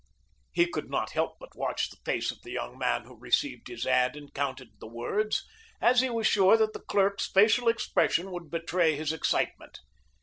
He could not help but watch the face of the young man who received his ad and counted the words, as he was sure that the clerk's facial expression would betray his excitement.